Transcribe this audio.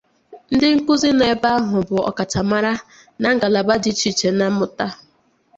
Ndi nkuzi nọ ebe ahụ bụ ọkacha mara na ngalaba di iche iche na mmụta.